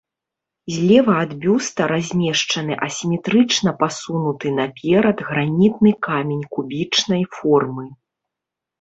Злева ад бюста размешчаны асіметрычна пасунуты паперад гранітны камень кубічнай формы.